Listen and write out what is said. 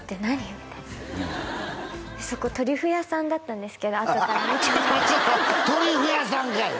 みたいなそこトリュフ屋さんだったんですけどあとから見たらちょっと待ってちょっと待ってトリュフ屋さんかい！